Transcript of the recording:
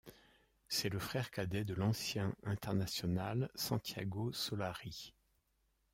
C'est le frère cadet de l'ancien international Santiago Solari.